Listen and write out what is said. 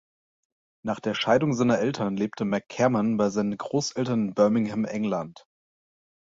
Nach der Scheidung seiner Eltern lebte McCammon bei seinen Großeltern in Birmingham, England.